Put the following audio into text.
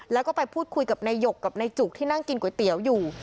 แล้วก็ไปพูดคุยกับนายหยกกับนายจุกที่นั่งกินก๋วยเตี๋ยวอยู่